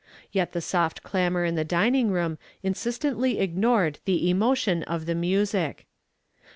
Yet the soft clamor in the dining room insistently ignored the emotion of the music.